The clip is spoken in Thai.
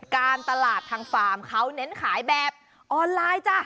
การตลาดทางฟาร์มเขาเน้นขายแบบออนไลน์จ้ะ